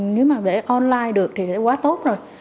nếu mà để online được thì quá tốt rồi